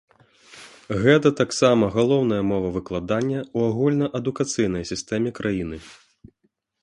Гэта таксама галоўная мова выкладання ў агульнаадукацыйнай сістэме краіны.